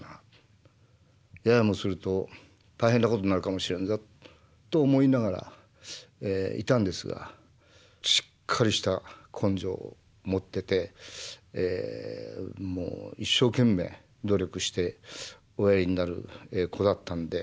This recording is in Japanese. ややもすると大変なことになるかもしれんぞ」と思いながらいたんですがしっかりした根性を持っててもう一生懸命努力しておやりになる子だったんで。